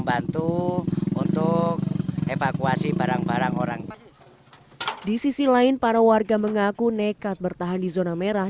bantu untuk evakuasi barang barang orang di sisi lain para warga mengaku nekat bertahan di zona merah